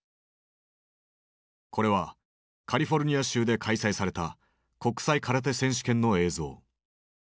これはカリフォルニア州で開催された国際空手選手権の映像。